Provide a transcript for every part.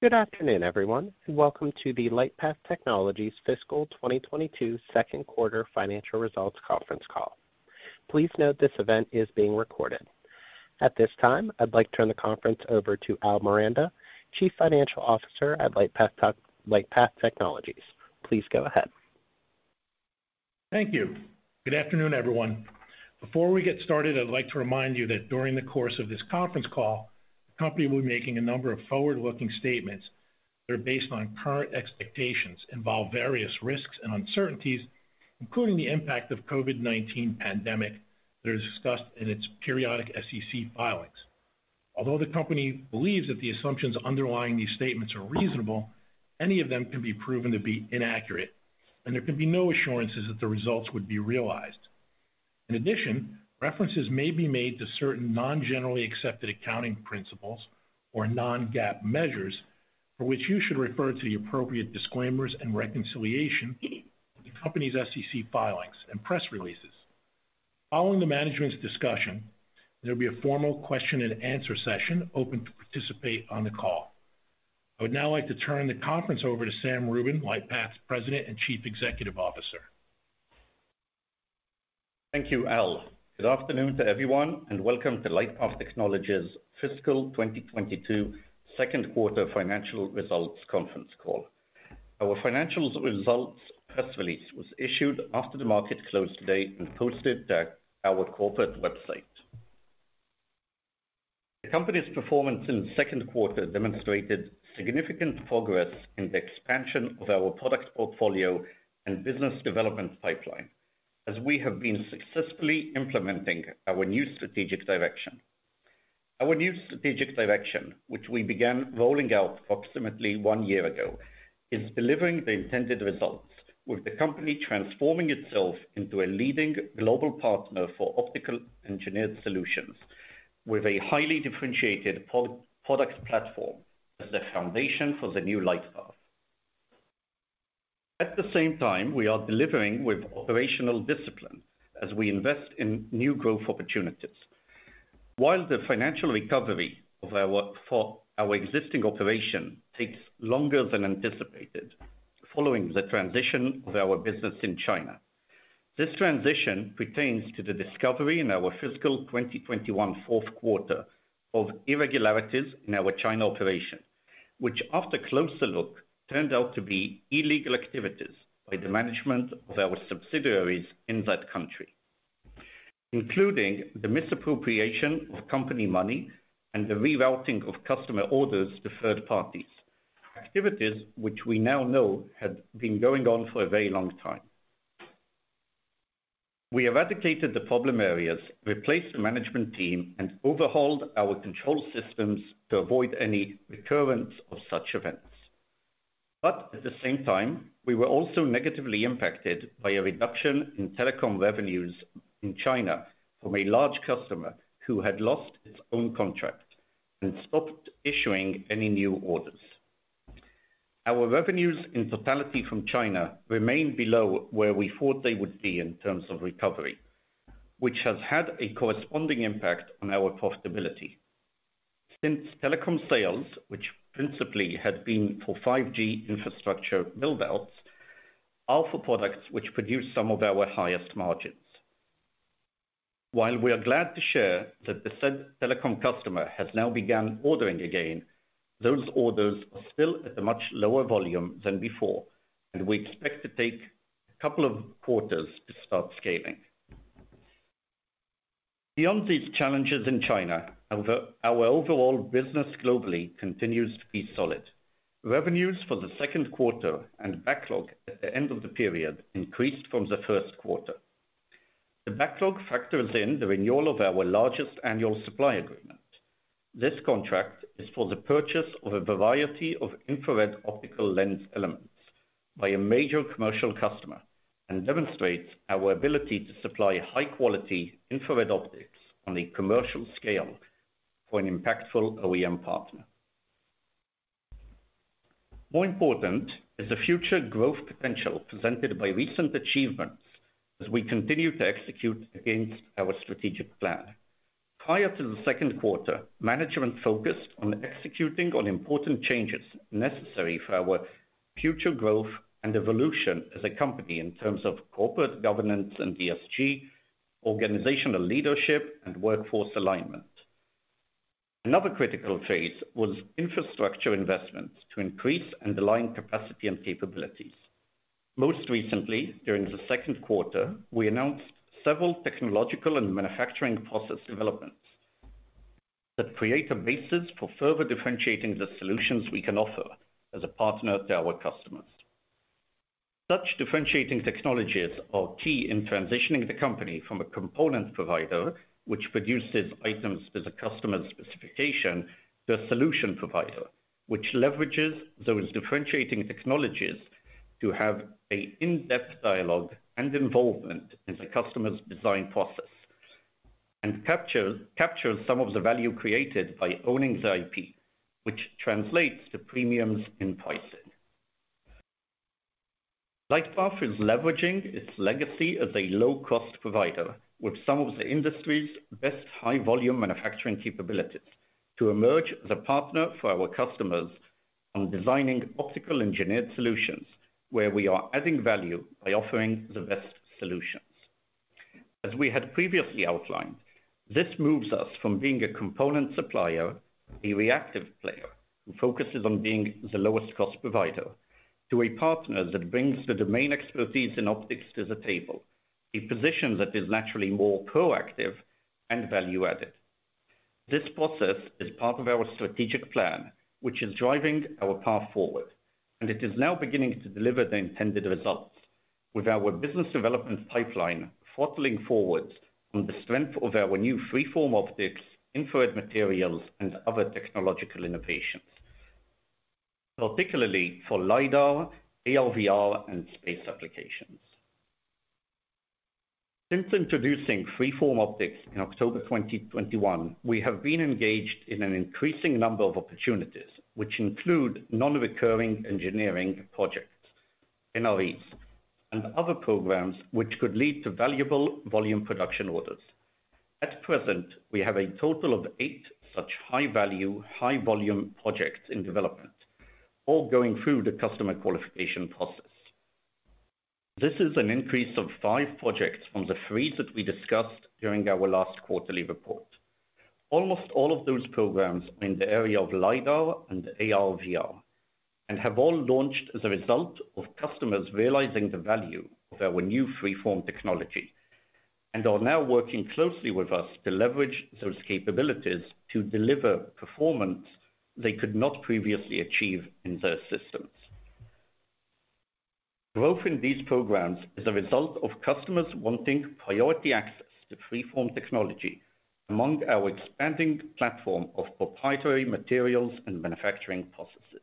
Good afternoon, everyone, and welcome to the LightPath Technologies Fiscal 2022 Q2 Financial Results Conference Call. Please note this event is being recorded. At this time, I'd like to turn the conference over to Albert Miranda, Chief Financial Officer at LightPath Technologies. Please go ahead. Thank you. Good afternoon, everyone. Before we get started, I'd like to remind you that during the course of this conference call, the company will be making a number of forward-looking statements that are based on current expectations, involve various risks and uncertainties, including the impact of COVID-19 pandemic that are discussed in its periodic SEC filings. Although the company believes that the assumptions underlying these statements are reasonable, any of them can be proven to be inaccurate, and there can be no assurances that the results would be realized. In addition, references may be made to certain non-generally accepted accounting principles or non-GAAP measures for which you should refer to the appropriate disclaimers and reconciliation in the company's SEC filings and press releases. Following the management's discussion, there'll be a formal question and answer session open to participate on the call. I would now like to turn the conference over to Sam Rubin, LightPath's President and Chief Executive Officer. Thank you, Al. Good afternoon to everyone, and welcome to LightPath Technologies' Fiscal 2022 Q2 financial results conference call. Our financial results press release was issued after the market closed today and posted at our corporate website. The company's performance in the Q2 demonstrated significant progress in the expansion of our product portfolio and business development pipeline as we have been successfully implementing our new strategic direction. Our new strategic direction, which we began rolling out approximately one year ago, is delivering the intended results, with the company transforming itself into a leading global partner for optical engineered solutions with a highly differentiated products platform as the foundation for the new LightPath. At the same time, we are delivering with operational discipline as we invest in new growth opportunities. While the financial recovery of our work for our existing operation takes longer than anticipated following the transition of our business in China, this transition pertains to the discovery in our fiscal 2021 fourth quarter of irregularities in our China operation, which, after closer look, turned out to be illegal activities by the management of our subsidiaries in that country, including the misappropriation of company money and the rerouting of customer orders to third parties. Activities which we now know had been going on for a very long time. We eradicated the problem areas, replaced the management team, and overhauled our control systems to avoid any recurrence of such events. At the same time, we were also negatively impacted by a reduction in telecom revenues in China from a large customer who had lost its own contract and stopped issuing any new orders. Our revenues in totality from China remain below where we thought they would be in terms of recovery, which has had a corresponding impact on our profitability, since telecom sales, which principally had been for 5G infrastructure build-outs, are for products which produce some of our highest margins. While we are glad to share that the said telecom customer has now begun ordering again, those orders are still at a much lower volume than before, and we expect to take a couple of quarters to start scaling. Beyond these challenges in China, our overall business globally continues to be solid. Revenues for the Q2 and backlog at the end of the period increased from the Q1. The backlog factors in the renewal of our largest annual supply agreement. This contract is for the purchase of a variety of infrared optical lens elements by a major commercial customer and demonstrates our ability to supply high-quality infrared optics on a commercial scale for an impactful OEM partner. More important is the future growth potential presented by recent achievements as we continue to execute against our strategic plan. Prior to the Q2, management focused on executing on important changes necessary for our future growth and evolution as a company in terms of corporate governance and ESG, organizational leadership, and workforce alignment. Another critical phase was infrastructure investments to increase underlying capacity and capabilities. Most recently, during the Q2, we announced several technological and manufacturing process developments that create a basis for further differentiating the solutions we can offer as a partner to our customers. Such differentiating technologies are key in transitioning the company from a component provider, which produces items to the customer's specification, to a solution provider, which leverages those differentiating technologies to have an in-depth dialogue and involvement in the customer's design process, and capture some of the value created by owning the IP, which translates to premiums in pricing. LightPath is leveraging its legacy as a low cost provider with some of the industry's best high volume manufacturing capabilities to emerge as a partner for our customers on designing optical engineered solutions where we are adding value by offering the best solutions. As we had previously outlined, this moves us from being a component supplier, a reactive player who focuses on being the lowest cost provider, to a partner that brings the domain expertise in optics to the table, a position that is naturally more proactive and value-added. This process is part of our strategic plan, which is driving our path forward, and it is now beginning to deliver the intended results with our business development pipeline throttling forwards on the strength of our new freeform optics, infrared materials, and other technological innovations, particularly for LIDAR, AR/VR, and space applications. Since introducing freeform optics in October 2021, we have been engaged in an increasing number of opportunities, which include non-recurring engineering projects, NREs, and other programs which could lead to valuable volume production orders. At present, we have a total of eight such high value, high volume projects in development, all going through the customer qualification process. This is an increase of five projects from the three that we discussed during our last quarterly report. Almost all of those programs are in the area of LIDAR and AR/VR, and have all launched as a result of customers realizing the value of our new freeform technology, and are now working closely with us to leverage those capabilities to deliver performance they could not previously achieve in their systems. Growth in these programs is a result of customers wanting priority access to freeform technology among our expanding platform of proprietary materials and manufacturing processes.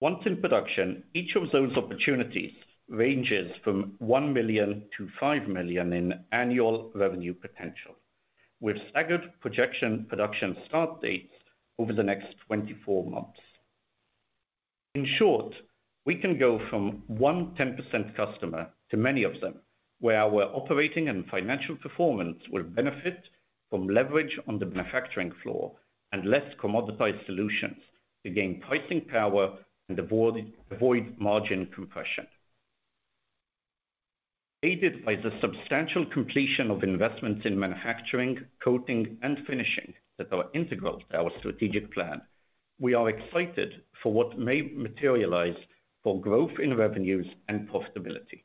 Once in production, each of those opportunities ranges from $1 million-$5 million in annual revenue potential, with staggered projection production start dates over the next 24 months. In short, we can go from one 10% customer to many of them, where our operating and financial performance will benefit from leverage on the manufacturing floor and less commoditized solutions to gain pricing power and avoid margin compression. Aided by the substantial completion of investments in manufacturing, coating, and finishing that are integral to our strategic plan, we are excited for what may materialize for growth in revenues and profitability.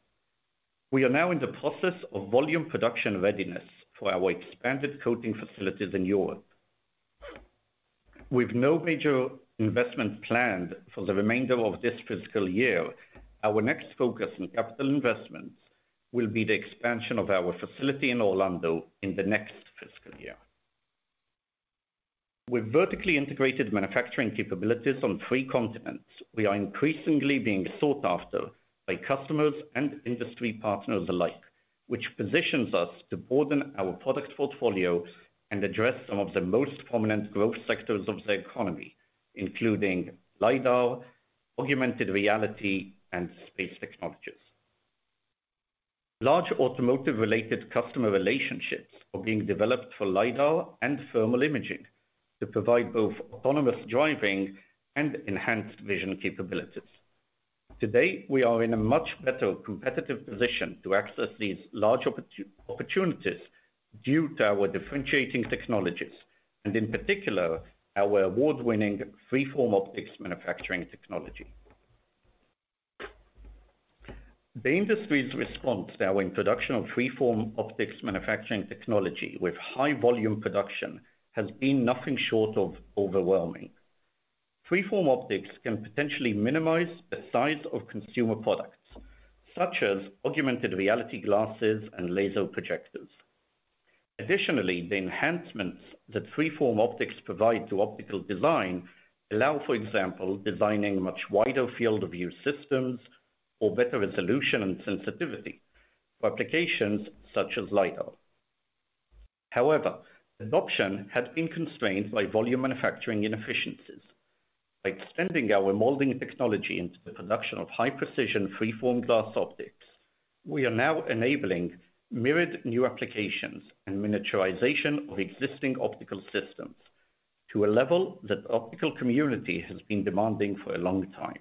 We are now in the process of volume production readiness for our expanded coating facilities in Europe. With no major investments planned for the remainder of this fiscal year, our next focus on capital investments will be the expansion of our facility in Orlando in the next fiscal year. With vertically integrated manufacturing capabilities on three continents, we are increasingly being sought after by customers and industry partners alike, which positions us to broaden our product portfolio and address some of the most prominent growth sectors of the economy, including LIDAR, augmented reality, and space technologies. Large automotive-related customer relationships are being developed for LIDAR and thermal imaging to provide both autonomous driving and enhanced vision capabilities. Today, we are in a much better competitive position to access these large opportunities due to our differentiating technologies, and in particular, our award-winning freeform optics manufacturing technology. The industry's response to our introduction of freeform optics manufacturing technology with high volume production has been nothing short of overwhelming. Freeform optics can potentially minimize the size of consumer products, such as augmented reality glasses and laser projectors. Additionally, the enhancements that freeform optics provide to optical design allow, for example, designing much wider field of view systems or better resolution and sensitivity for applications such as LIDAR. However, adoption had been constrained by volume manufacturing inefficiencies. By extending our molding technology into the production of high precision freeform glass optics, we are now enabling myriad new applications and miniaturization of existing optical systems to a level that the optical community has been demanding for a long time.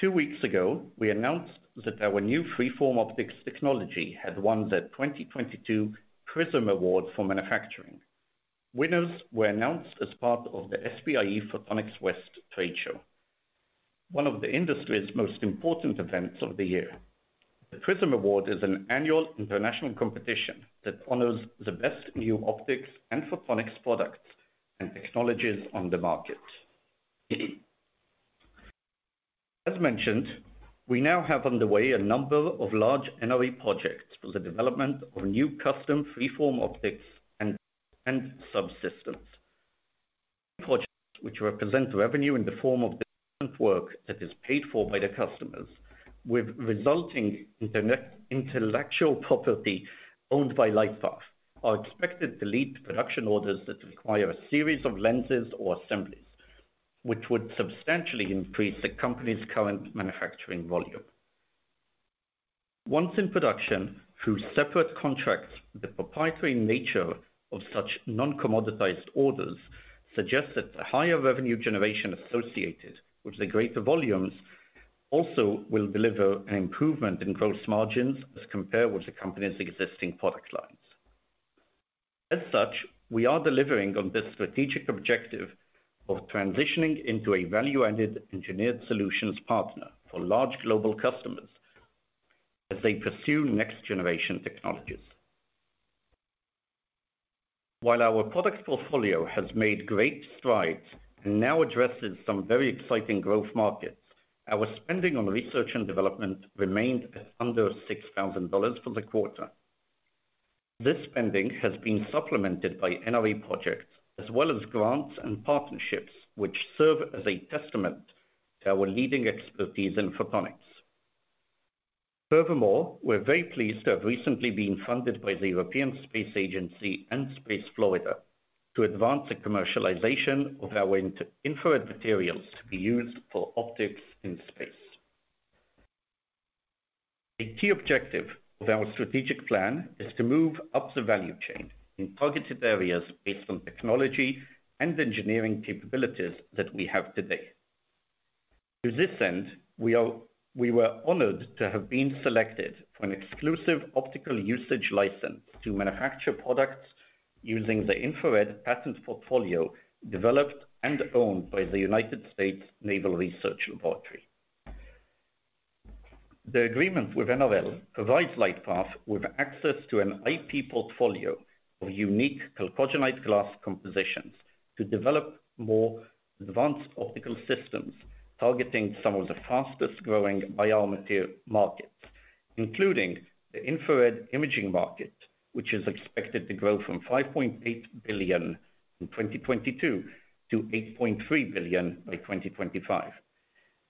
Two weeks ago, we announced that our new freeform optics technology had won the 2022 Prism Award for manufacturing. Winners were announced as part of the SPIE Photonics West trade show, one of the industry's most important events of the year. The Prism Award is an annual international competition that honors the best new optics and photonics products and technologies on the market. As mentioned, we now have underway a number of large NRE projects for the development of new custom freeform optics and subsystems. Projects which represent revenue in the form of development work that is paid for by the customers, with resulting intellectual property owned by LightPath, are expected to lead to production orders that require a series of lenses or assemblies, which would substantially increase the company's current manufacturing volume. Once in production through separate contracts, the proprietary nature of such non-commoditized orders suggests that the higher revenue generation associated with the greater volumes also will deliver an improvement in gross margins as compared with the company's existing product lines. As such, we are delivering on this strategic objective of transitioning into a value-added engineered solutions partner for large global customers as they pursue next generation technologies. While our products portfolio has made great strides and now addresses some very exciting growth markets, our spending on research and development remained at under $6,000 for the quarter. This spending has been supplemented by NRE projects as well as grants and partnerships which serve as a testament to our leading expertise in photonics. Furthermore, we're very pleased to have recently been funded by the European Space Agency and Space Florida to advance the commercialization of our infrared materials to be used for optics in space. A key objective of our strategic plan is to move up the value chain in targeted areas based on technology and engineering capabilities that we have today. To this end, we were honored to have been selected for an exclusive optical usage license to manufacture products using the infrared patent portfolio developed and owned by the United States Naval Research Laboratory. The agreement with NRL provides LightPath with access to an IP portfolio of unique chalcogenide glass compositions to develop more advanced optical systems, targeting some of the fastest-growing biomaterial markets, including the infrared imaging market, which is expected to grow from $5.8 billion in 2022 to $8.3 billion by 2025.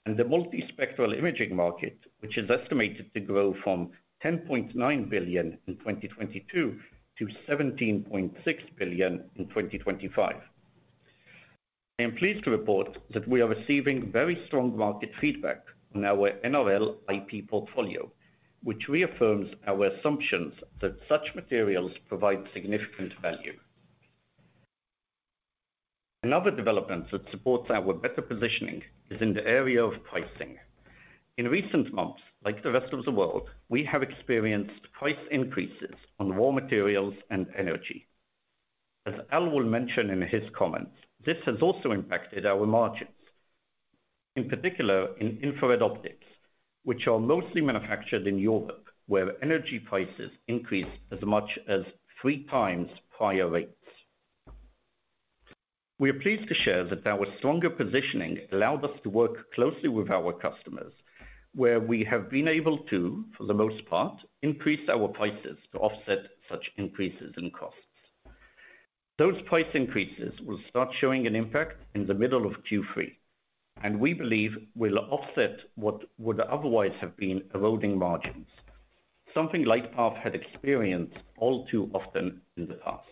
The multispectral imaging market, which is estimated to grow from $10.9 billion in 2022 to $17.6 billion in 2025. I am pleased to report that we are receiving very strong market feedback on our NRL IP portfolio, which reaffirms our assumptions that such materials provide significant value. Another development that supports our better positioning is in the area of pricing. In recent months, like the rest of the world, we have experienced price increases on raw materials and energy. As Al will mention in his comments, this has also impacted our margins, in particular in infrared optics, which are mostly manufactured in Europe, where energy prices increased as much as three times prior rates. We are pleased to share that our stronger positioning allowed us to work closely with our customers, where we have been able to, for the most part, increase our prices to offset such increases in costs. Those price increases will start showing an impact in the middle of Q3, and we believe will offset what would otherwise have been eroding margins. Something LightPath had experienced all too often in the past.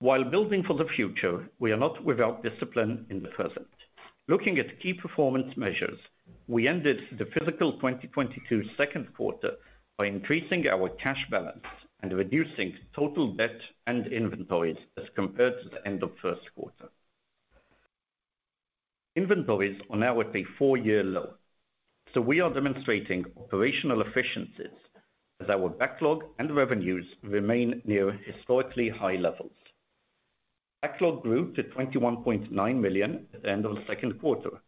While building for the future, we are not without discipline in the present. Looking at key performance measures, we ended the fiscal 2022 Q2 by increasing our cash balance and reducing total debt and inventories as compared to the end of Q1. Inventories are now at a 4-year low, so we are demonstrating operational efficiencies as our backlog and revenues remain near historically high levels. Backlog grew to $21.9 million at the end of the Q2,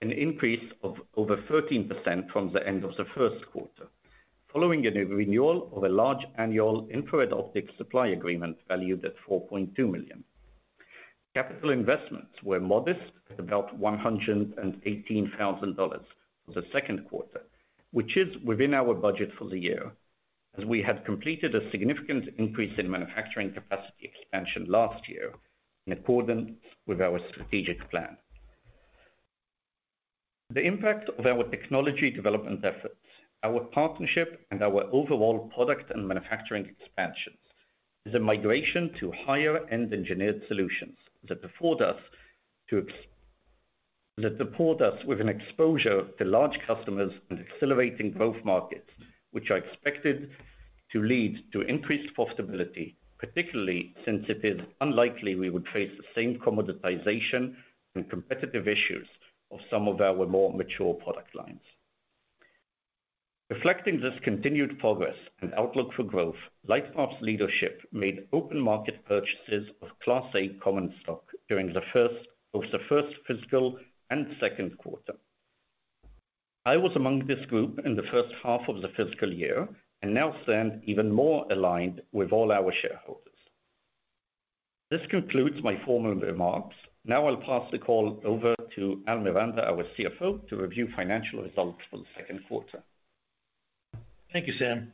an increase of over 13% from the end of the Q1, following a renewal of a large annual infrared optics supply agreement valued at $4.2 million. Capital investments were modest at about $118,000 for the Q2, which is within our budget for the year, as we have completed a significant increase in manufacturing capacity expansion last year in accordance with our strategic plan. The impact of our technology development efforts, our partnership, and our overall product and manufacturing expansions is a migration to higher-end engineered solutions that afford us with an exposure to large customers in accelerating growth markets, which are expected to lead to increased profitability, particularly since it is unlikely we would face the same commoditization and competitive issues of some of our more mature product lines. Reflecting this continued progress and outlook for growth, LightPath's leadership made open market purchases of Class A common stock during the first fiscal and Q2. I was among this group in the first half of the fiscal year, and now stand even more aligned with all our shareholders. This concludes my formal remarks. Now I'll pass the call over to Albert Miranda, our CFO, to review financial results for the Q2. Thank you, Sam.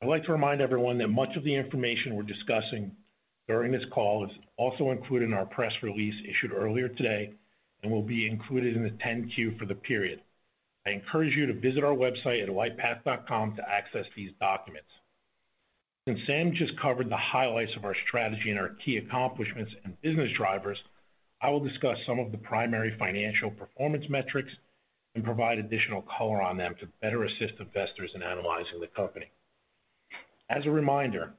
I'd like to remind everyone that much of the information we're discussing during this call is also included in our press release issued earlier today and will be included in the 10-Q for the period. I encourage you to visit our website at lightpath.com to access these documents. Since Sam just covered the highlights of our strategy and our key accomplishments and business drivers, I will discuss some of the primary financial performance metrics and provide additional color on them to better assist investors in analyzing the company. As a reminder,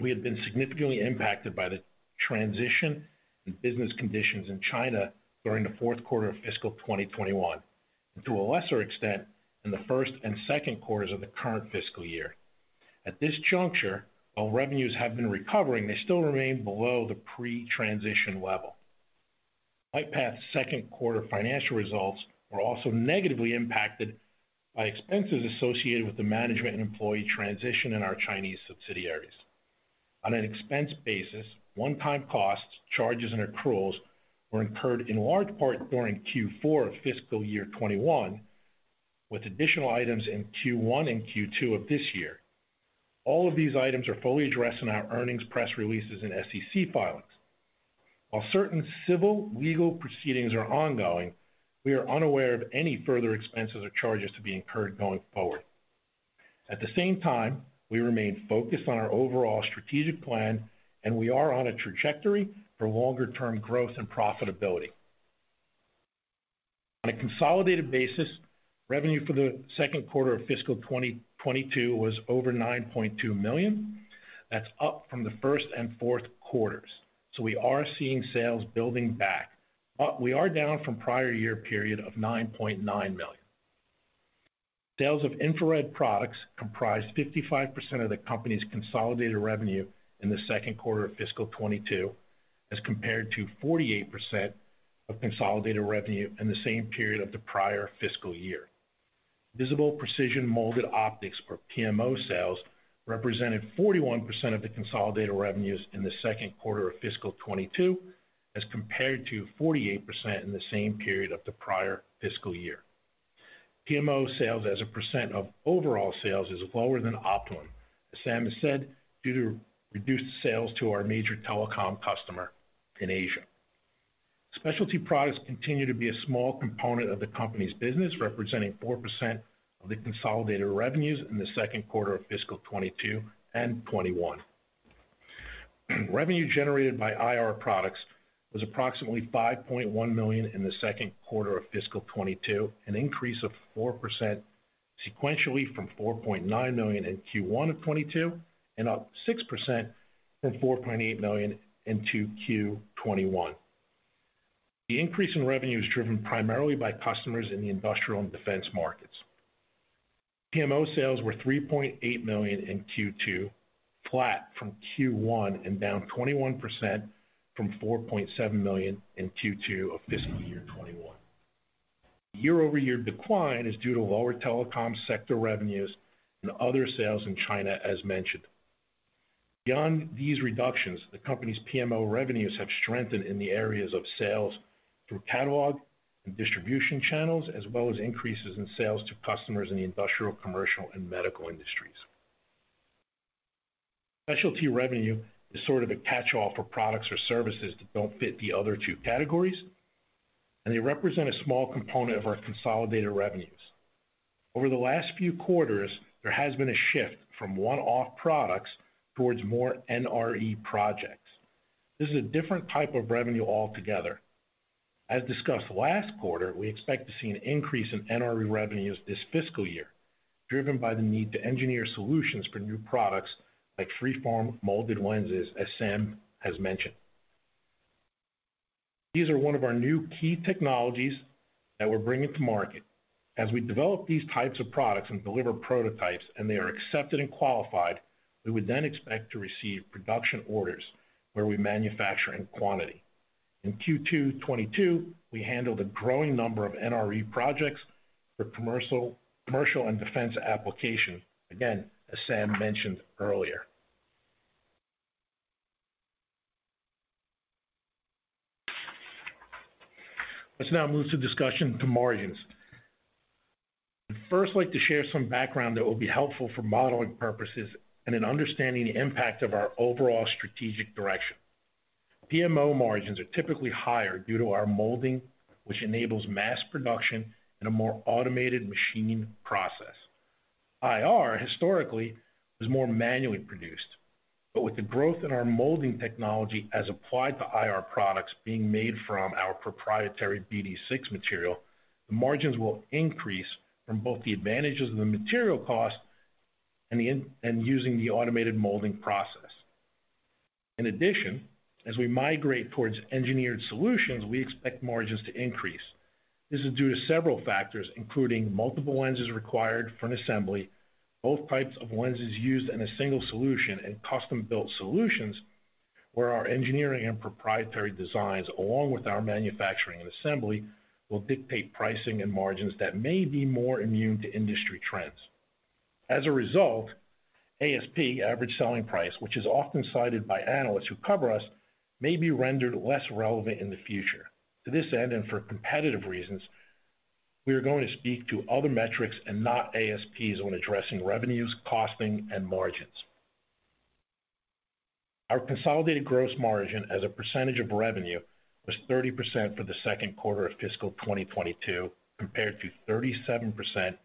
we have been significantly impacted by the transition in business conditions in China during the fourth quarter of fiscal 2021, and to a lesser extent, in the first and Q2s of the current fiscal year. At this juncture, while revenues have been recovering, they still remain below the pre-transition level. LightPath's Q2 financial results were also negatively impacted by expenses associated with the management and employee transition in our Chinese subsidiaries. On an expense basis, one-time costs, charges, and accruals were incurred in large part during Q4 of fiscal year 2021, with additional items in Q1 and Q2 of this year. All of these items are fully addressed in our earnings press releases and SEC filings. While certain civil legal proceedings are ongoing, we are unaware of any further expenses or charges to be incurred going forward. At the same time, we remain focused on our overall strategic plan, and we are on a trajectory for longer-term growth and profitability. On a consolidated basis, revenue for the Q2 of fiscal 2022 was over $9.2 million. That's up from the first and fourth quarters, so we are seeing sales building back. We are down from prior year period of $9.9 million. Sales of infrared products comprised 55% of the company's consolidated revenue in the Q2 of fiscal 2022, as compared to 48% of consolidated revenue in the same period of the prior fiscal year. Visible precision molded optics, or PMO sales, represented 41% of the consolidated revenues in the Q2 of fiscal 2022, as compared to 48% in the same period of the prior fiscal year. PMO sales as a percent of overall sales is lower than optimum, as Sam has said, due to reduced sales to our major telecom customer in Asia. Specialty products continue to be a small component of the company's business, representing 4% of the consolidated revenues in the Q2 of fiscal 2022 and 2021. Revenue generated by IR products was approximately $5.1 million in the Q2 of fiscal 2022, an increase of 4% sequentially from $4.9 million in Q1 of 2022 and up 6% from $4.8 million in Q2 2021. The increase in revenue is driven primarily by customers in the industrial and defense markets. PMO sales were $3.8 million in Q2, flat from Q1 and down 21% from $4.7 million in Q2 of fiscal year 2021. Year-over-year decline is due to lower telecom sector revenues and other sales in China, as mentioned. Beyond these reductions, the company's PMO revenues have strengthened in the areas of sales through catalog and distribution channels, as well as increases in sales to customers in the industrial, commercial, and medical industries. Specialty revenue is sort of a catch-all for products or services that don't fit the other two categories, and they represent a small component of our consolidated revenues. Over the last few quarters, there has been a shift from one-off products towards more NRE projects. This is a different type of revenue altogether. As discussed last quarter, we expect to see an increase in NRE revenues this fiscal year, driven by the need to engineer solutions for new products like freeform molded lenses, as Sam has mentioned. These are one of our new key technologies that we're bringing to market. As we develop these types of products and deliver prototypes, and they are accepted and qualified, we would then expect to receive production orders where we manufacture in quantity. In Q2 2022, we handled a growing number of NRE projects for commercial and defense applications, again, as Sam mentioned earlier. Let's now move the discussion to margins. I'd first like to share some background that will be helpful for modeling purposes and in understanding the impact of our overall strategic direction. PMO margins are typically higher due to our molding, which enables mass production in a more automated machine process. IR historically was more manually produced, but with the growth in our molding technology as applied to IR products being made from our proprietary BD6 material, the margins will increase from both the advantages of the material cost and using the automated molding process. In addition, as we migrate toward engineered solutions, we expect margins to increase. This is due to several factors, including multiple lenses required for an assembly, both types of lenses used in a single solution, and custom-built solutions where our engineering and proprietary designs, along with our manufacturing and assembly, will dictate pricing and margins that may be more immune to industry trends. As a result, ASP, average selling price, which is often cited by analysts who cover us, may be rendered less relevant in the future. To this end, and for competitive reasons, we are going to speak to other metrics and not ASPs when addressing revenues, costing, and margins. Our consolidated gross margin as a percentage of revenue was 30% for the Q2 of fiscal 2022, compared to 37%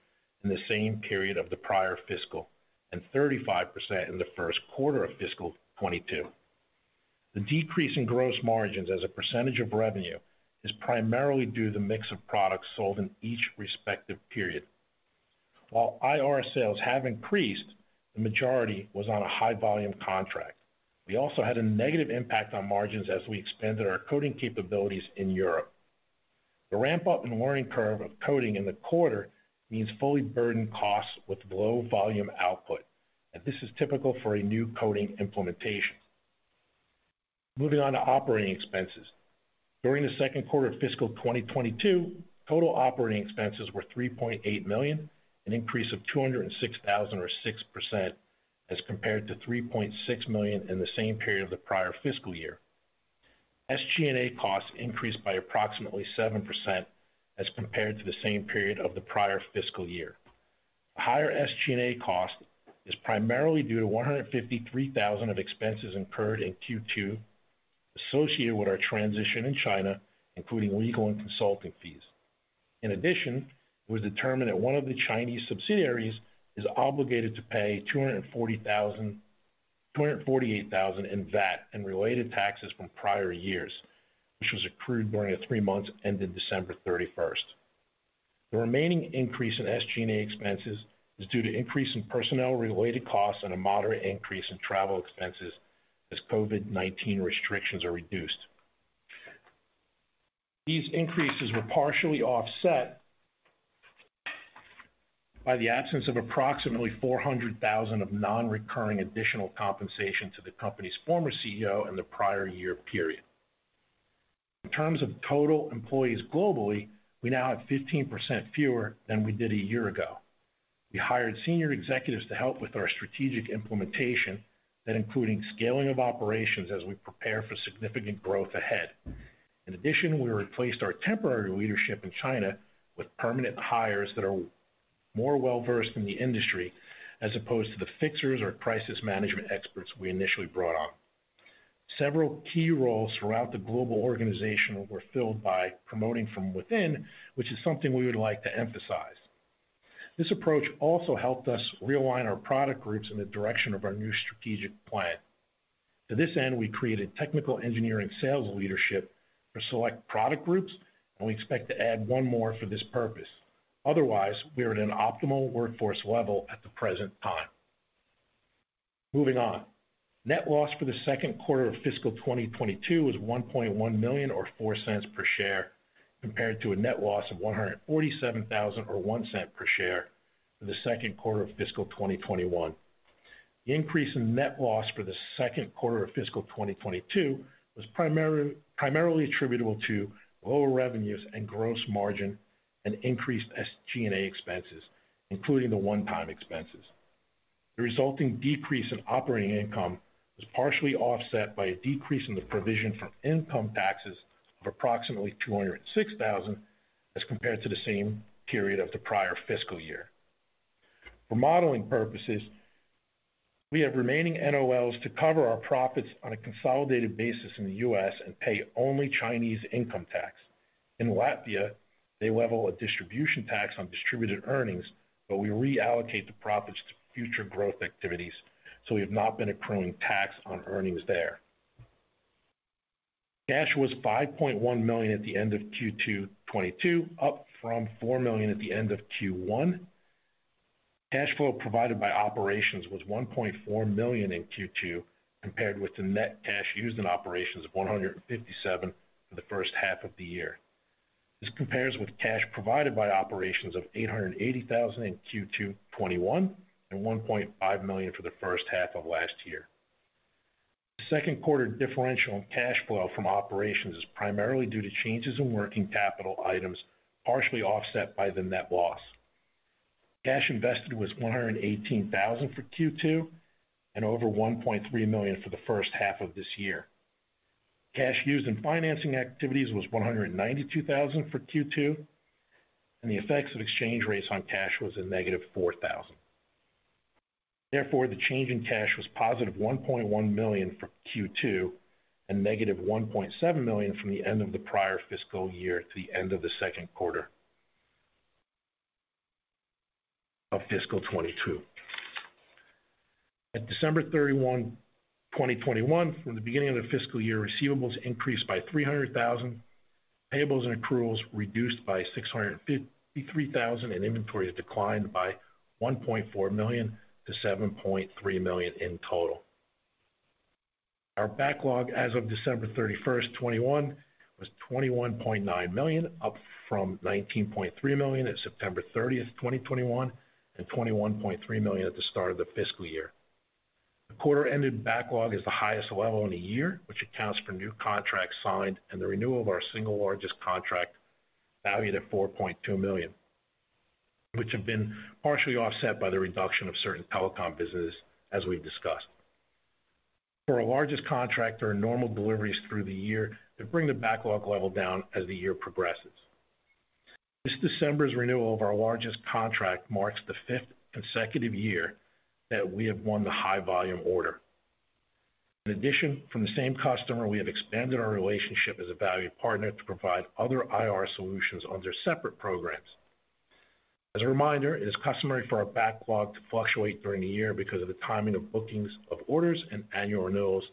in the same period of the prior fiscal, and 35% in the Q1 of fiscal 2022. The decrease in gross margins as a percentage of revenue is primarily due to the mix of products sold in each respective period. While IR sales have increased, the majority was on a high volume contract. We also had a negative impact on margins as we expanded our coating capabilities in Europe. The ramp-up and learning curve of coating in the quarter means fully burdened costs with low volume output, and this is typical for a new coating implementation. Moving on to operating expenses. During the Q2 of fiscal 2022, total operating expenses were $3.8 million, an increase of $206,000 or 6% as compared to $3.6 million in the same period of the prior fiscal year. SG&A costs increased by approximately 7% as compared to the same period of the prior fiscal year. Higher SG&A cost is primarily due to $153,000 of expenses incurred in Q2 associated with our transition in China, including legal and consulting fees. In addition, it was determined that one of the Chinese subsidiaries is obligated to pay $248,000 in VAT and related taxes from prior years, which was accrued during the three months ended December 31. The remaining increase in SG&A expenses is due to increase in personnel related costs and a moderate increase in travel expenses as COVID-19 restrictions are reduced. These increases were partially offset by the absence of approximately $400,000 of non-recurring additional compensation to the company's former CEO in the prior year period. In terms of total employees globally, we now have 15% fewer than we did a year ago. We hired senior executives to help with our strategic implementation that includes scaling of operations as we prepare for significant growth ahead. In addition, we replaced our temporary leadership in China with permanent hires that are more well-versed in the industry, as opposed to the fixers or crisis management experts we initially brought on. Several key roles throughout the global organization were filled by promoting from within, which is something we would like to emphasize. This approach also helped us realign our product groups in the direction of our new strategic plan. To this end, we created technical engineering sales leadership for select product groups, and we expect to add one more for this purpose. Otherwise, we are at an optimal workforce level at the present time. Moving on. Net loss for the Q2 of fiscal 2022 was $1.1 million or $0.04 per share, compared to a net loss of $147,000 or $0.01 per share for the Q2 of fiscal 2021. The increase in net loss for the Q2 of fiscal 2022 was primarily attributable to lower revenues and gross margin and increased SG&A expenses, including the one-time expenses. The resulting decrease in operating income was partially offset by a decrease in the provision for income taxes of approximately $206,000 as compared to the same period of the prior fiscal year. For modeling purposes, we have remaining NOLs to cover our profits on a consolidated basis in the U.S. and pay only Chinese income tax. In Latvia, they levy a distribution tax on distributed earnings, but we reallocate the profits to future growth activities, so we have not been accruing tax on earnings there. Cash was $5.1 million at the end of Q2 2022, up from $4 million at the end of Q1. Cash flow provided by operations was $1.4 million in Q2, compared with the net cash used in operations of $157 thousand for the first half of the year. This compares with cash provided by operations of $880 thousand in Q2 2021 and $1.5 million for the first half of last year. The Q2 differential in cash flow from operations is primarily due to changes in working capital items, partially offset by the net loss. Cash invested was $118,000 for Q2 and over $1.3 million for the first half of this year. Cash used in financing activities was $192,000 for Q2, and the effects of exchange rates on cash was a -$4,000. Therefore, the change in cash was positive $1.1 million for Q2 and -$1.7 million from the end of the prior fiscal year to the end of the Q2 of fiscal 2022. At December 31, 2021, from the beginning of the fiscal year, receivables increased by $300,000, payables and accruals reduced by $653,000, and inventory declined by $1.4 million-$7.3 million in total. Our backlog as of December 31, 2021 was $21.9 million, up from $19.3 million at September 30, 2021 and $21.3 million at the start of the fiscal year. The quarter-ended backlog is the highest level in a year, which accounts for new contracts signed and the renewal of our single largest contract valued at $4.2 million, which have been partially offset by the reduction of certain telecom business, as we've discussed. For our largest contractor, normal deliveries through the year to bring the backlog level down as the year progresses. This December's renewal of our largest contract marks the fifth consecutive year that we have won the high volume order. In addition, from the same customer, we have expanded our relationship as a valued partner to provide other IR solutions under separate programs. As a reminder, it is customary for our backlog to fluctuate during the year because of the timing of bookings of orders and annual renewals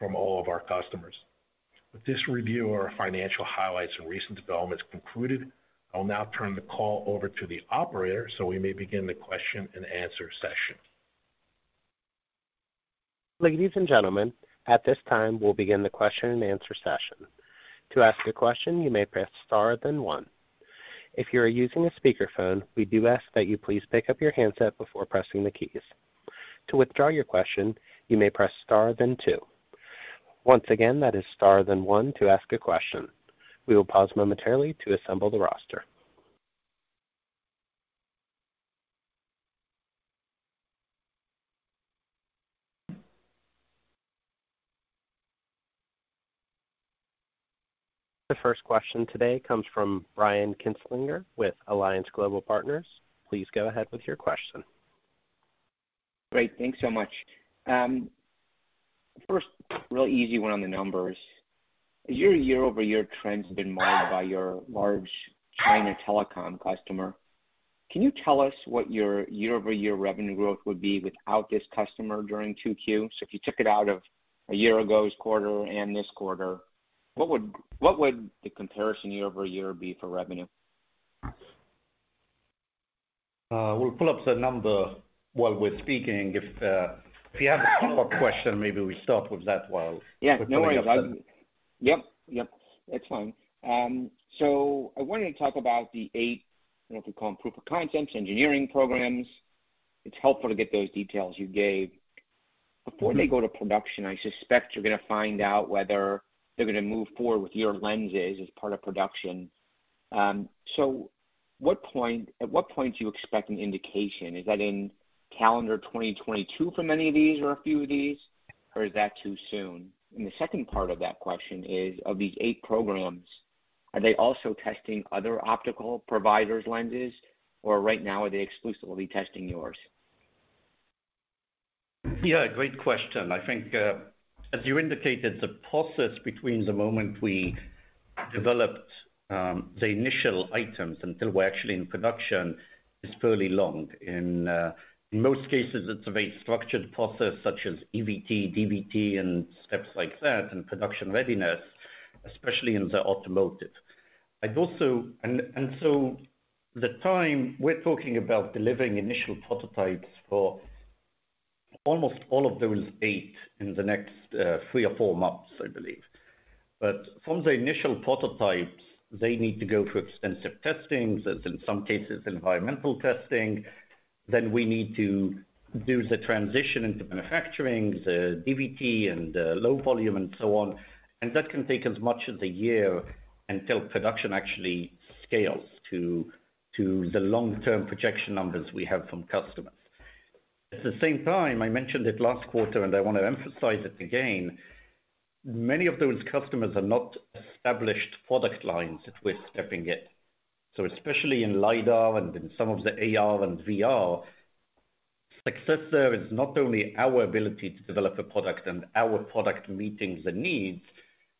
from all of our customers. With this review, our financial highlights and recent developments concluded, I will now turn the call over to the operator so we may begin the question and answer session. Ladies and gentlemen, at this time, we'll begin the question and answer session. To ask a question, you may press star then one. If you are using a speakerphone, we do ask that you please pick up your handset before pressing the keys. To withdraw your question, you may press star then two. Once again, that is star then one to ask a question. We will pause momentarily to assemble the roster. The first question today comes from Brian Kinstlinger with Alliance Global Partners. Please go ahead with your question. Great. Thanks so much. First, real easy one on the numbers. Your year-over-year trends have been marred by your large China telecom customer. Can you tell us what your year-over-year revenue growth would be without this customer during 2Q? So if you took it out of a year ago's quarter and this quarter, what would the comparison year-over-year be for revenue? We'll pull up the number while we're speaking. If you have a follow-up question, maybe we start with that while- Yeah. No worries. Yep, yep, that's fine. I wanted to talk about the eight, I don't know if you call them proof of concepts, engineering programs. It's helpful to get those details you gave. Before they go to production, I suspect you're gonna find out whether they're gonna move forward with your lenses as part of production. At what point do you expect an indication? Is that in calendar 2022 for many of these or a few of these, or is that too soon? The second part of that question is, of these eight programs, are they also testing other optical providers' lenses, or right now, are they exclusively testing yours? Yeah, great question. I think, as you indicated, the process between the moment we developed the initial items until we're actually in production is fairly long. In most cases, it's a very structured process such as EVT, DVT and steps like that and production readiness, especially in the automotive. The time we're talking about delivering initial prototypes for almost all of those eight in the next three or four months, I believe. From the initial prototypes, they need to go through extensive testings, as in some cases, environmental testing. We need to do the transition into manufacturing, the DVT and the low volume and so on. That can take as much as a year until production actually scales to the long-term projection numbers we have from customers. At the same time, I mentioned it last quarter, and I want to emphasize it again, many of those customers are not established product lines that we're stepping in. Especially in LIDAR and in some of the AR and VR, success there is not only our ability to develop a product and our product meeting the needs,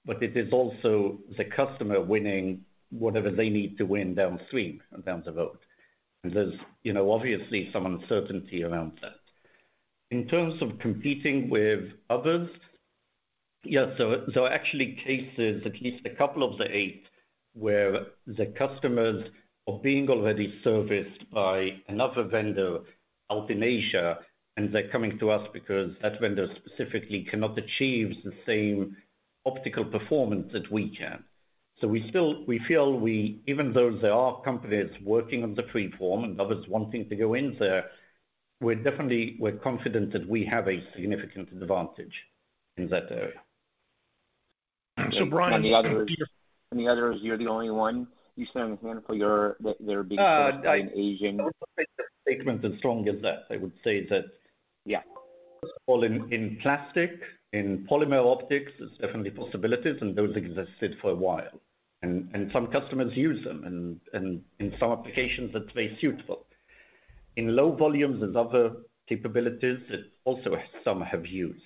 but it is also the customer winning whatever they need to win downstream down the road. There's, you know, obviously some uncertainty around that. In terms of competing with others, yeah, so actually. Cases at least a couple of the eight, where the customers are being already serviced by another vendor out in Asia, and they're coming to us because that vendor specifically cannot achieve the same optical performance that we can. We still feel even though there are companies working on the freeform and others wanting to go in there, we're definitely confident that we have a significant advantage in that area. Brian- The others, you're the only one saying here, they're being sourced by an Asian- I wouldn't take the statement as strong as that. I would say that, yeah, all in plastic, in polymer optics, there's definitely possibilities, and those existed for a while. Some customers use them and in some applications that's very suitable. In low volumes, there's other capabilities that also some have used.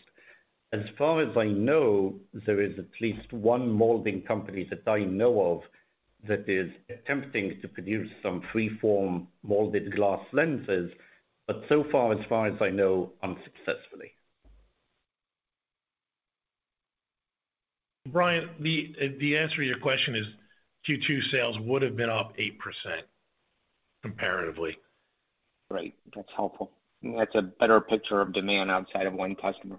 As far as I know, there is at least one molding company that I know of that is attempting to produce some free form molded glass lenses, but so far, as far as I know, unsuccessfully. Brian, the answer to your question is Q2 sales would have been up 8% comparatively. Great. That's helpful. That's a better picture of demand outside of one customer.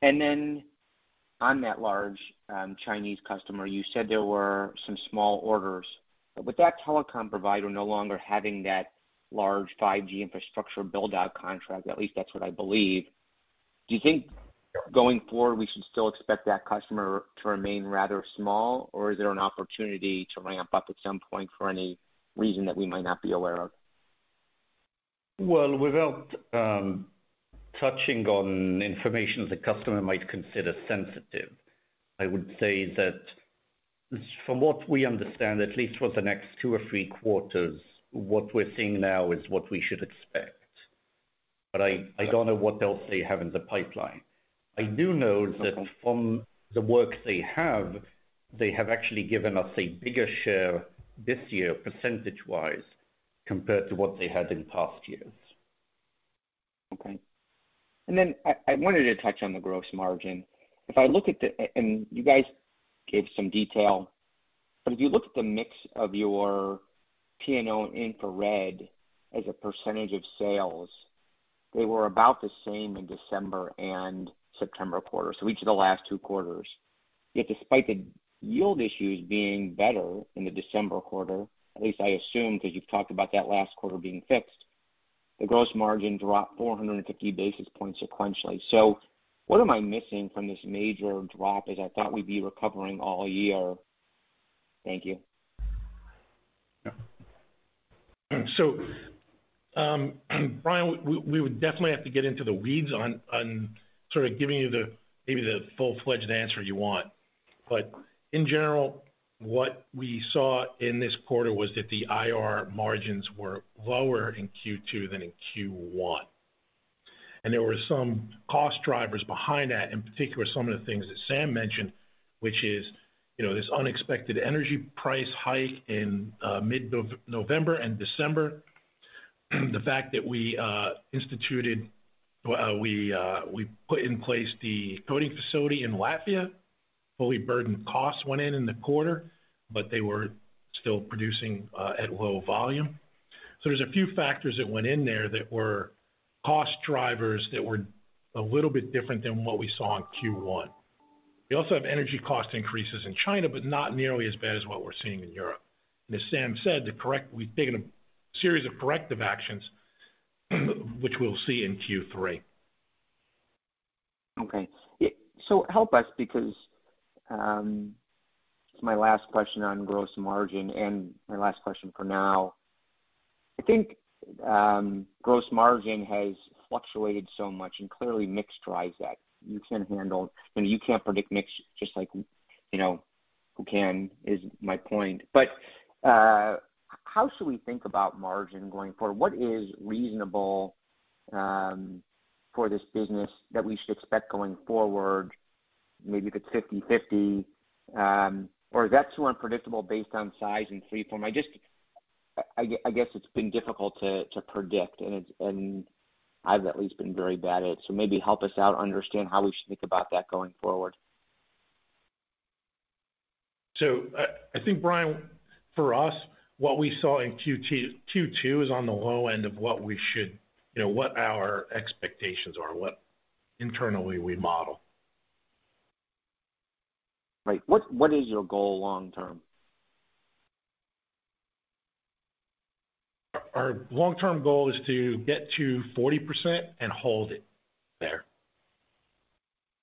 Then on that large, Chinese customer, you said there were some small orders. With that telecom provider no longer having that large 5G infrastructure build out contract, at least that's what I believe. Do you think going forward, we should still expect that customer to remain rather small, or is there an opportunity to ramp up at some point for any reason that we might not be aware of? Without touching on information the customer might consider sensitive, I would say that from what we understand, at least for the next two or three quarters, what we're seeing now is what we should expect. I don't know what else they have in the pipeline. I do know that from the work they have, they have actually given us a bigger share this year, percentage-wise, compared to what they had in past years. Okay. Then I wanted to touch on the gross margin. You guys gave some detail, but if you look at the mix of your PMO infrared as a percentage of sales, they were about the same in December and September quarter, so each of the last two quarters. Yet despite the yield issues being better in the December quarter, at least I assume, because you've talked about that last quarter being fixed, the gross margin dropped 450 basis points sequentially. What am I missing from this major drop, as I thought we'd be recovering all year? Thank you. Yeah. Brian, we would definitely have to get into the weeds on sort of giving you the maybe full-fledged answer you want. In general, what we saw in this quarter was that the IR margins were lower in Q2 than in Q1. There were some cost drivers behind that, in particular, some of the things that Sam mentioned, which is you know this unexpected energy price hike in mid-November and December. The fact that we put in place the coating facility in Latvia. Fully burdened costs went in in the quarter, but they were still producing at low volume. There's a few factors that went in there that were cost drivers that were a little bit different than what we saw in Q1. We also have energy cost increases in China, but not nearly as bad as what we're seeing in Europe. As Sam said, we've taken a series of corrective actions, which we'll see in Q3. Okay. So help us because, it's my last question on gross margin and my last question for now. I think, gross margin has fluctuated so much, and clearly mix drives that. I mean, you can't predict mix just like, you know, who can, is my point. How should we think about margin going forward? What is reasonable, for this business that we should expect going forward? Maybe you could 50/50. Is that too unpredictable based on size and free form? I guess it's been difficult to predict, and I've at least been very bad at. Maybe help us out, understand how we should think about that going forward. I think, Brian, for us, what we saw in Q2 is on the low end of what we should, you know, what our expectations are, what internally we model. Right. What is your goal long term? Our long-term goal is to get to 40% and hold it there.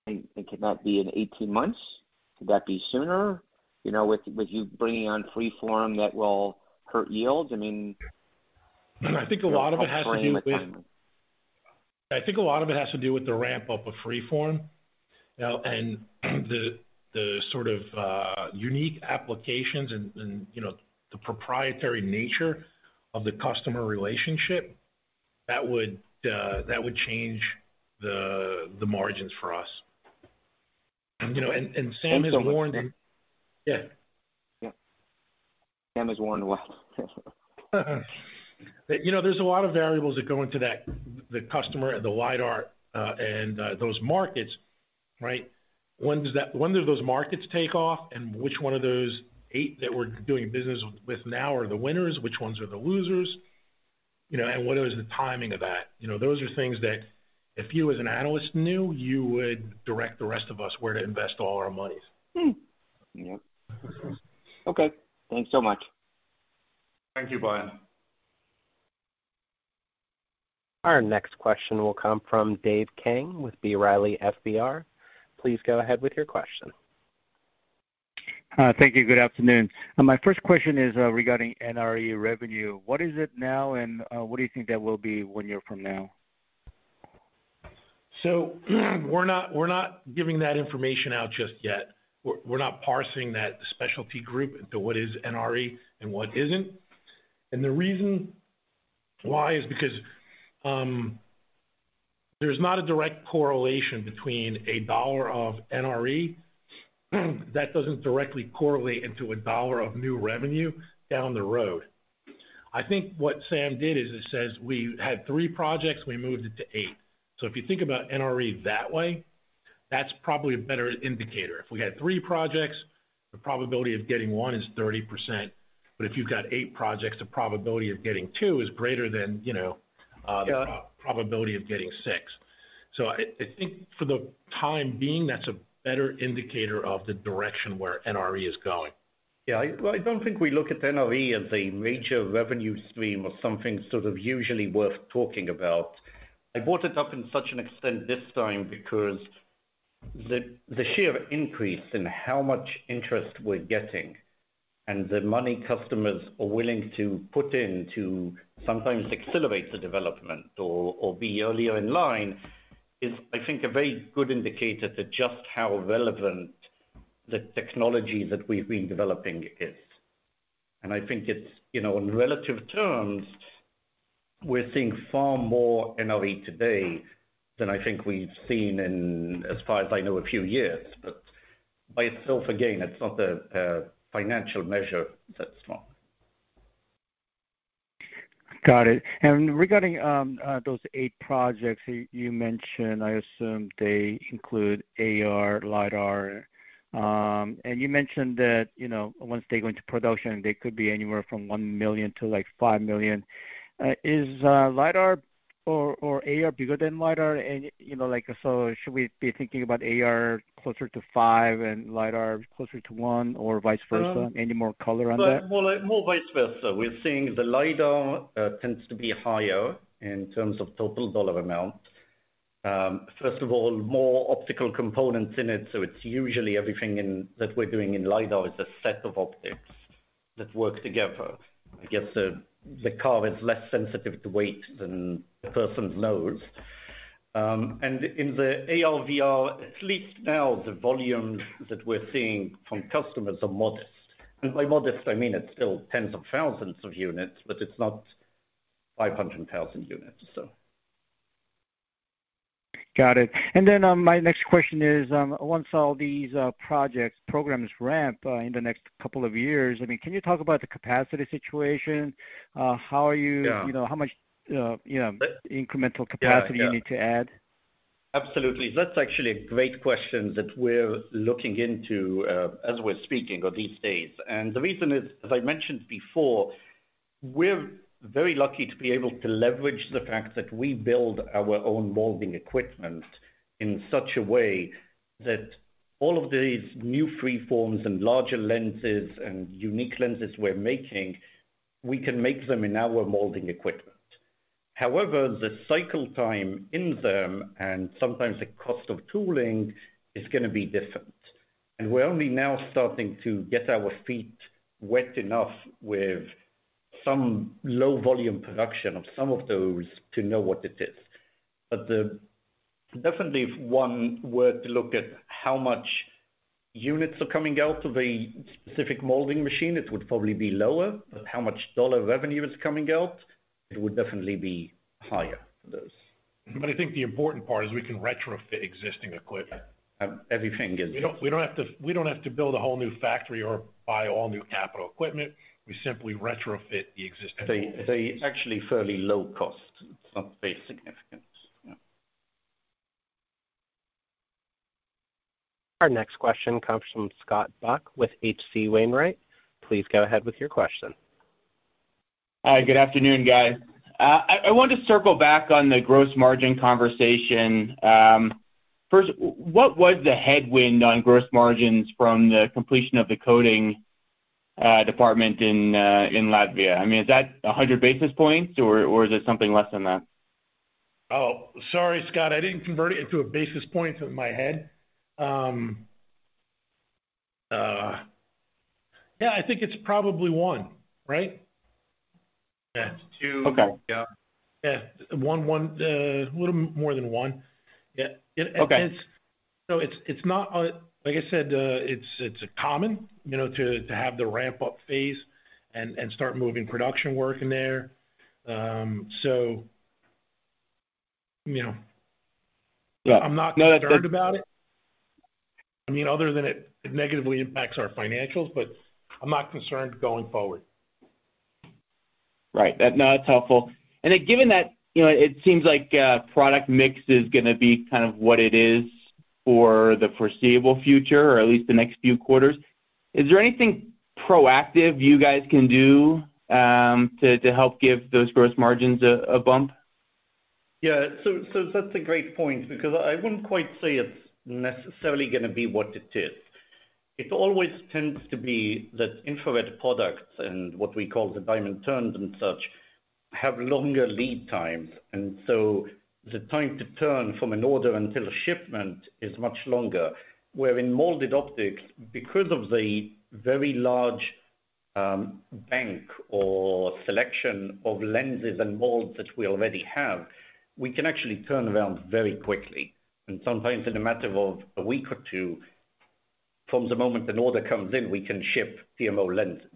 Could that be in 18 months? Could that be sooner? You know, with you bringing on freeform, that will hurt yields. I mean- I think a lot of it has to do with the ramp up of freeform. Okay. You know, the sort of unique applications and you know the proprietary nature of the customer relationship that would change the margins for us. You know, Sam has warned. Yeah. Yeah. Sam has warned what? You know, there's a lot of variables that go into that. The customer, the LIDAR, and those markets, right? When do those markets take off and which one of those eight that we're doing business with now are the winners, which ones are the losers, you know, and what is the timing of that? You know, those are things that if you as an analyst knew, you would direct the rest of us where to invest all our monies. Yep. Okay. Thanks so much. Thank you, Brian. Our next question will come from Dave Kang with B. Riley FBR. Please go ahead with your question. Hi. Thank you. Good afternoon. My first question is regarding NRE revenue. What is it now, and what do you think that will be one year from now? We're not giving that information out just yet. We're not parsing that specialty group into what is NRE and what isn't. The reason why is because there's not a direct correlation between a dollar of NRE that doesn't directly correlate into a dollar of new revenue down the road. I think what Sam did is it says, we had three projects, we moved it to eight. If you think about NRE that way, that's probably a better indicator. If we had three projects, the probability of getting one is 30%. If you've got eight projects, the probability of getting two is greater than, Yeah You know, the probability of getting six. I think for the time being, that's a better indicator of the direction where NRE is going. Yeah. I don't think we look at NRE as a major revenue stream or something sort of usually worth talking about. I brought it up in such an extent this time because the sheer increase in how much interest we're getting and the money customers are willing to put in to sometimes accelerate the development or be earlier in line is, I think, a very good indicator to just how relevant the technology that we've been developing is. I think it's, you know, in relative terms, we're seeing far more NRE today than I think we've seen in, as far as I know, a few years. By itself, again, it's not a financial measure that strong. Got it. Regarding those eight projects you mentioned, I assume they include AR, LIDAR. You mentioned that, you know, once they go into production, they could be anywhere from $1 million to, like, $5 million. Is LIDAR or AR bigger than LIDAR? You know, like, so should we be thinking about AR closer to $5 million and LIDAR closer to $1 million or vice versa? Any more color on that? Well, more like more vice versa. We're seeing the LIDAR tends to be higher in terms of total dollar amount. First of all, more optical components in it, so it's usually everything that we're doing in LIDAR is a set of optics that work together. I guess the car is less sensitive to weight than the person's nose. In the AR/VR, at least now, the volumes that we're seeing from customers are modest. By modest, I mean it's still tens of thousands of units, but it's not 500,000 units, so. Got it. My next question is, once all these projects, programs ramp in the next couple of years, I mean, can you talk about the capacity situation? How are you- Yeah. You know, how much, you know, incremental capacity Yeah. Yeah. You need to add? Absolutely. That's actually a great question that we're looking into as we're speaking or these days. The reason is, as I mentioned before, we're very lucky to be able to leverage the fact that we build our own molding equipment in such a way that all of these new free forms and larger lenses and unique lenses we're making, we can make them in our molding equipment. However, the cycle time in them and sometimes the cost of tooling is gonna be different. We're only now starting to get our feet wet enough with some low volume production of some of those to know what it is. Definitely if one were to look at how much units are coming out of a specific molding machine, it would probably be lower, but how much dollar revenue is coming out, it would definitely be higher for those. I think the important part is we can retrofit existing equipment. Um, everything is- We don't have to build a whole new factory or buy all new capital equipment. We simply retrofit the existing. They actually fairly low cost. It's not very significant. Yeah. Our next question comes from Scott Buck with H.C. Wainwright. Please go ahead with your question. Hi, good afternoon, guys. I wanted to circle back on the gross margin conversation. First, what was the headwind on gross margins from the completion of the coating department in Latvia? I mean, is that 100 basis points or is it something less than that? Oh, sorry, Scott, I didn't convert it into a basis point in my head. Yeah, I think it's probably one, right? Yeah. It's two. Okay. Yeah. Yeah. One. A little more than one. Yeah. Okay. Like I said, it's common, you know, to have the ramp-up phase and start moving production work in there. You know. Yeah. No, that. I'm not concerned about it. I mean, other than it negatively impacts our financials, but I'm not concerned going forward. Right. No, that's helpful. Then given that, you know, it seems like product mix is gonna be kind of what it is for the foreseeable future or at least the next few quarters, is there anything proactive you guys can do to help give those gross margins a bump? Yeah. That's a great point because I wouldn't quite say it's necessarily gonna be what it is. It always tends to be that infrared products and what we call the diamond-turned and such, have longer lead times, and so the time to turn from an order until a shipment is much longer. Where in molded optics, because of the very large bank or selection of lenses and molds that we already have, we can actually turn around very quickly. Sometimes in a matter of a week or two, from the moment an order comes in, we can ship PMO lenses.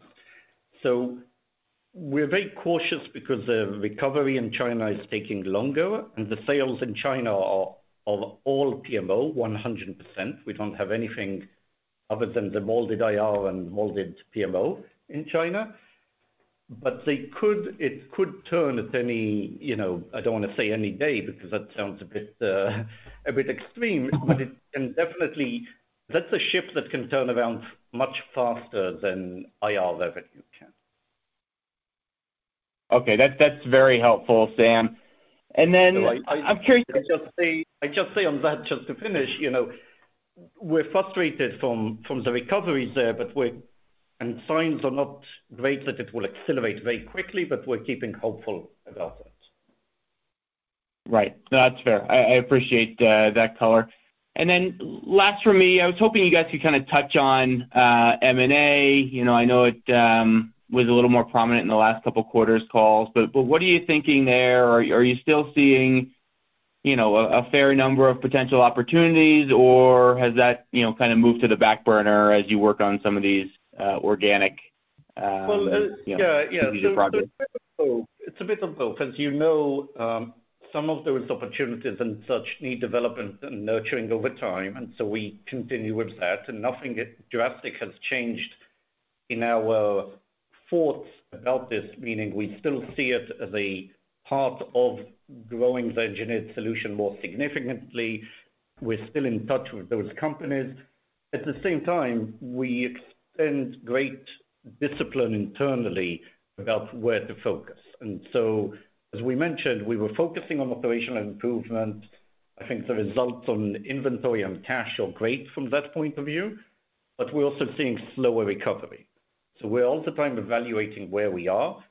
We're very cautious because the recovery in China is taking longer, and the sales in China are of all PMO 100%. We don't have anything other than the molded IR and molded PMO in China. They could, it could turn at any, you know, I don't want to say any day because that sounds a bit extreme. It can definitely. That's a ship that can turn around much faster than IR revenue can. Okay. That's very helpful, Sam. I'm curious- I just say on that, just to finish, you know, we're frustrated from the recoveries there, but we're, and signs are not great that it will accelerate very quickly, but we're keeping hopeful about that. Right. That's fair. I appreciate that color. Last for me, I was hoping you guys could kind of touch on M&A. You know, I know it was a little more prominent in the last couple of quarters calls, but what are you thinking there? Are you still seeing, you know, a fair number of potential opportunities or has that, you know, kind of moved to the back burner as you work on some of these organic, you know- Well, yeah. Strategic projects. It's a bit of both. As you know, some of those opportunities and such need development and nurturing over time, and we continue with that. Nothing drastic has changed in our thoughts about this. Meaning we still see it as a part of growing the engineered solution more significantly. We're still in touch with those companies. At the same time, we extend great discipline internally about where to focus. As we mentioned, we were focusing on operational improvement. I think the results on inventory and cash are great from that point of view, but we're also seeing slower recovery. We're all the time evaluating where we are.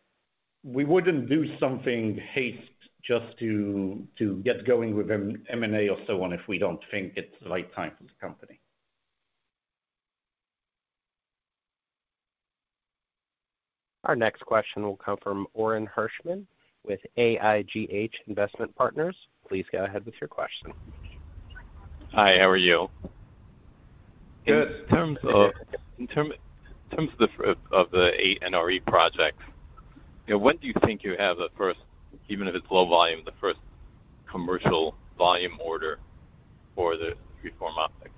We wouldn't do something haste just to get going with M&A or so on if we don't think it's the right time for the company. Our next question will come from Orin Hirschman with AIGH Investment Partners. Please go ahead with your question. Hi, how are you? Good. In terms of the 8 NRE projects, you know, when do you think you have the first, even if it's low volume, the first commercial volume order for the freeform optics?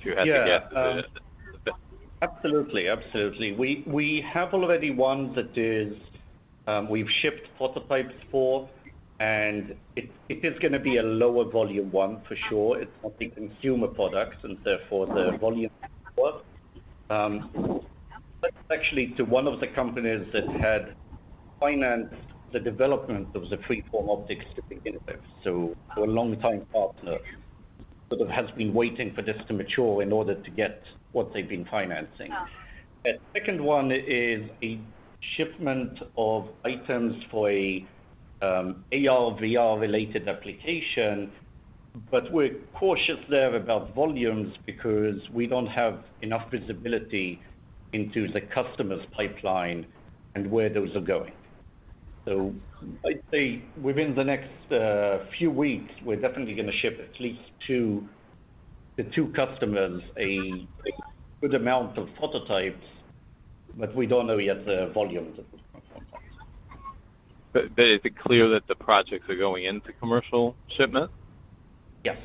If you had to guess at it. Yeah. Absolutely. We have already one that is, we've shipped prototypes for, and it is gonna be a lower volume one for sure. It's not the consumer product, and therefore the volume, but actually to one of the companies that had financed the development of the freeform optics to begin with. A longtime partner sort of has been waiting for this to mature in order to get what they've been financing. A second one is a shipment of items for a AR/VR related application, but we're cautious there about volumes because we don't have enough visibility into the customer's pipeline and where those are going. I'd say within the next few weeks, we're definitely gonna ship at least to the two customers a good amount of prototypes, but we don't know yet the volumes of those prototypes. Is it clear that the projects are going into commercial shipment? Yes. Yes.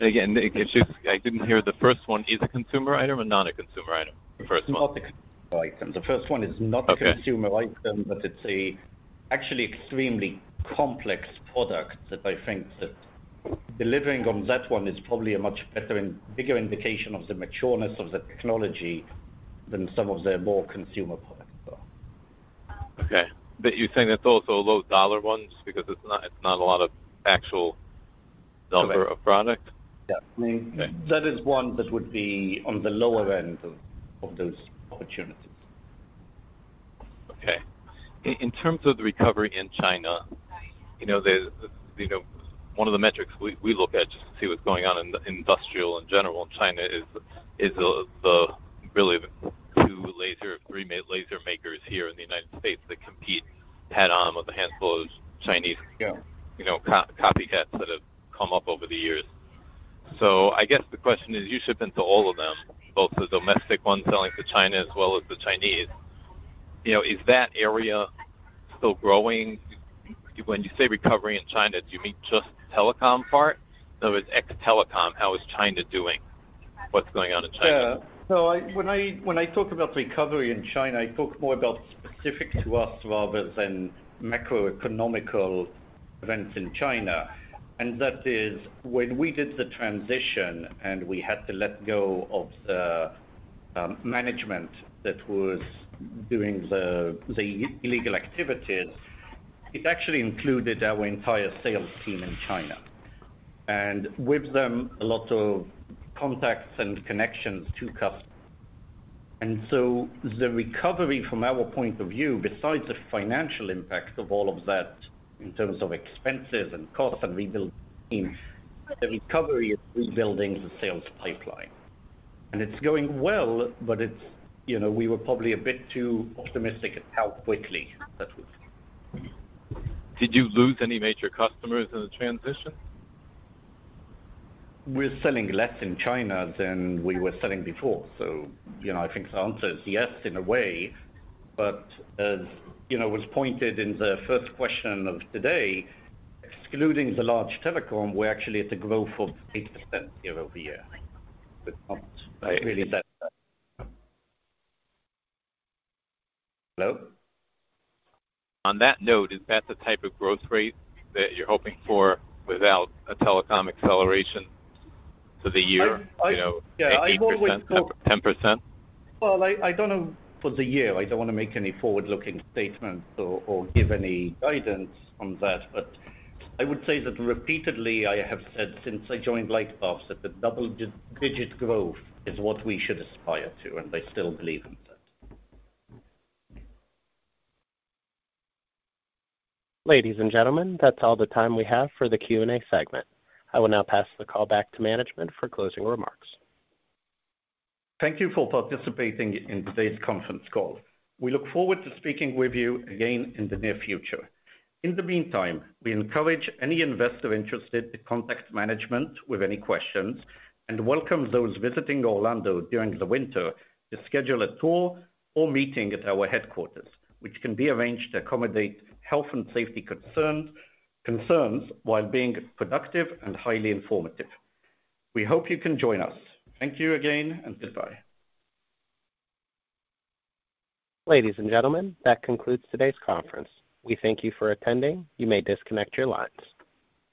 Again, it's just I didn't hear the first one. Is a consumer item or not a consumer item? The first one. It's not a consumer item. The first one is not. Okay. Its not a consumer item but it's actually an extremely complex product that I think delivering on that one is probably a much better and bigger indication of the matureness of the technology than some of the more consumer products are. Okay. You're saying that's also a low dollar one just because it's not a lot of actual dollar of product? Yeah. I mean. Okay. that is one that would be on the lower end of those opportunities. Okay. In terms of the recovery in China, you know, you know, one of the metrics we look at just to see what's going on in industrial in general in China is really the two laser makers here in the United States that compete head on with a handful of Chinese Yeah. You know, copycats that have come up over the years. I guess the question is, you ship into all of them, both the domestic ones selling to China as well as the Chinese. You know, is that area still growing? When you say recovery in China, do you mean just the telecom part? Ex telecom, how is China doing? What's going on in China? Yeah. When I talk about recovery in China, I talk more about specific to us rather than macroeconomic events in China. That is when we did the transition and we had to let go of the management that was doing the illegal activities. It actually included our entire sales team in China, with them a lot of contacts and connections to customers. The recovery from our point of view, besides the financial impacts of all of that in terms of expenses and costs and rebuilding the team, is rebuilding the sales pipeline. It's going well, but you know, we were probably a bit too optimistic at how quickly that would happen. Did you lose any major customers in the transition? We're selling less in China than we were selling before. You know, I think the answer is yes in a way. As you know, it was pointed in the first question of today, excluding the large telecom, we're actually at a growth of 8% year-over-year. That's not really that bad. Hello? On that note, is that the type of growth rate that you're hoping for without a telecom acceleration for the year? I- You know, 18%, 10%. Well, I don't know for the year. I don't wanna make any forward-looking statements or give any guidance on that. I would say that repeatedly, I have said since I joined LightPath that the double-digit growth is what we should aspire to, and I still believe in that. Ladies and gentlemen, that's all the time we have for the Q&A segment. I will now pass the call back to management for closing remarks. Thank you for participating in today's conference call. We look forward to speaking with you again in the near future. In the meantime, we encourage any investor interested to contact management with any questions, and welcome those visiting Orlando during the winter to schedule a tour or meeting at our headquarters, which can be arranged to accommodate health and safety concerns while being productive and highly informative. We hope you can join us. Thank you again and goodbye. Ladies and gentlemen, that concludes today's conference. We thank you for attending. You may disconnect your lines.